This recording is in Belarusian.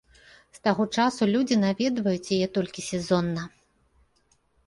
З таго часу людзі наведваць яе толькі сезонна.